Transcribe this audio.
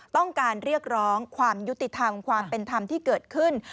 ต้องการเรียกร้องความยุติธรรมความเป็นธรรมที่เกิดขึ้น